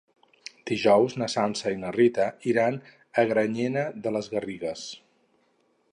Dijous na Sança i na Rita iran a Granyena de les Garrigues.